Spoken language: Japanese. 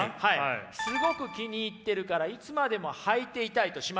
すごく気に入ってるからいつまでもはいていたいとしましょう。